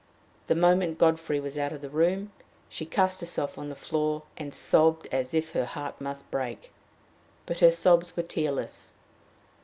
The moment Godfrey was out of the room she cast herself on the floor, and sobbed as if her heart must break. But her sobs were tearless.